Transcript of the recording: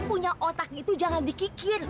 punya otak itu jangan dikikir